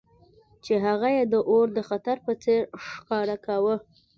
چې هغه یې د اور د خطر په څیر ښکاره کاوه